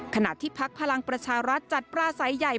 ขณะที่พรรณประชารัฐจัดประสัยใหญ่